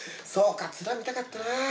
そうか面見たかったな。